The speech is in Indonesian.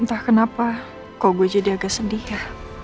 entah kenapa kok gue jadi agak sedih ya